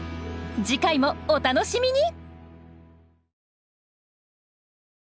次回もお楽しみに。